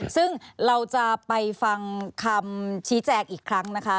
ซึ่งเราจะไปฟังคำชี้แจงอีกครั้งนะคะ